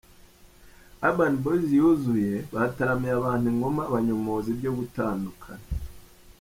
Urban Boys yuzuye bataramiye abantu i Ngoma banyomoza ibyo gutandukana.